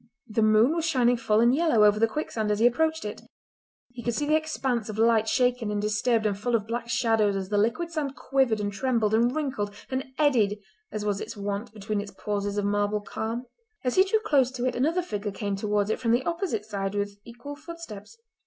The moon was shining full and yellow over the quicksand as he approached it; he could see the expanse of light shaken and disturbed and full of black shadows as the liquid sand quivered and trembled and wrinkled and eddied as was its wont between its pauses of marble calm. As he drew close to it another figure came towards it from the opposite side with equal footsteps.